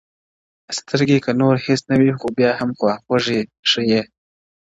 o سترگي كه نور هيڅ نه وي خو بيا هم خواخوږي ښيي؛